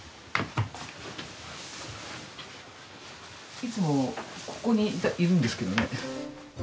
いつもここにいるんですけどね。